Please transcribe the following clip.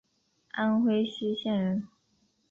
安徽歙县人。